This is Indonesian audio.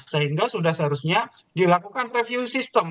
sehingga sudah seharusnya dilakukan review sistem